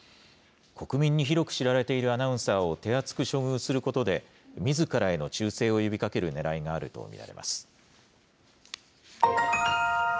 国民に広く知られているアナウンサーを手厚く処遇することで、みずからへの忠誠を呼びかけるねらいがあると見られます。